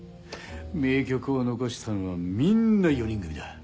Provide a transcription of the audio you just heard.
名曲を残したのはみんな４人組だ。